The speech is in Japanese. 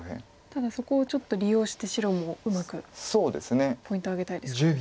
ただそこをちょっと利用して白もうまくポイントを挙げたいですか。